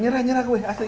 nyerah nyerah gue asli